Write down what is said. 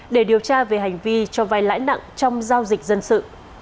để điều tra về hành vi cho vai lãi nặng trong giao dịch dân sự